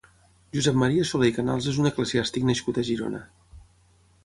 Josep Maria Soler i Canals és un eclesiàstic nascut a Girona.